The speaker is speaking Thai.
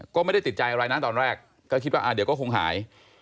ก็ไม่ได้ติดใจอะไรนะตอนแรกก็คิดว่าเดี๋ยวก็คงหาย